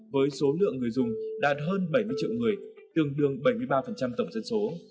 với số lượng người dùng đạt hơn bảy mươi triệu người tương đương bảy mươi ba tổng dân số